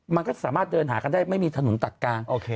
มันก็สามารถเดินหากันได้ไม่มีถนนตัดกลาง